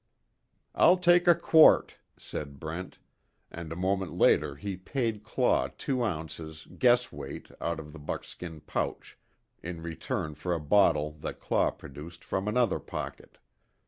"I'll take a quart," said Brent, and a moment later he paid Claw two ounces "guess weight" out of the buckskin pouch, in return for a bottle that Claw produced from another pocket.